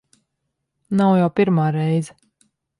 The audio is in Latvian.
Nav jau pirmā reize.